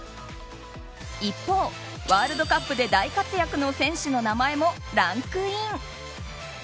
一方、ワールドカップで大活躍の選手の名前もランクイン。